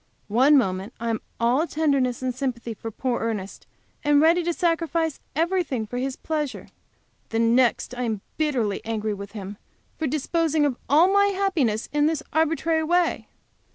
One moment I am all tenderness and sympathy for poor Ernest, and ready to sacrifice everything for his pleasure. The next I am bitterly angry with him for disposing of all my happiness in this arbitrary way.